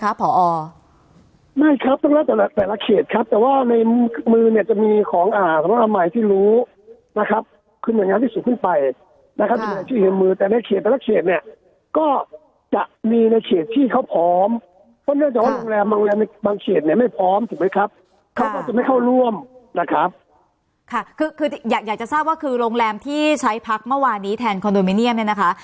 ค่ะคืออยากจะทราบว่าคือโรงแรมที่ใช้พักเมื่อวานนี้แทนคอนโดมิเนียมเนี่ยนะคะ